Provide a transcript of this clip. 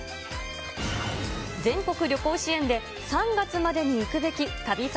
全国旅行支援で３月までに行くべき旅先